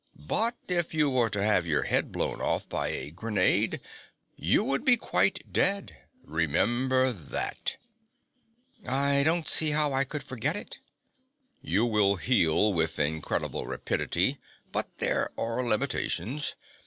But if you were to have your head blown off by a grenade, you would be quite dead. Remember that." "I don't see how I could forget it." "You will heal with incredible rapidity, but there are limitations.